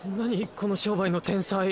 この商売の天才